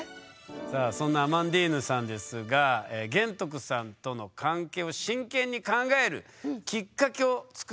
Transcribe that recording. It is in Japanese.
さあそんなアマンディーヌさんですが玄徳さんとの関係を真剣に考えるきっかけを作った人がいたそうです。